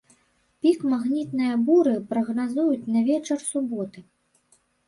Пік магнітная буры прагназуюць на вечар суботы.